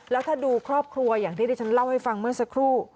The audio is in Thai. แล้วถ้าดูครอบครัวอย่างที่ที่ฉันเล่าให้ฟังเมื่อสักครู่